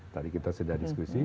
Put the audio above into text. tadi kita sudah diskusi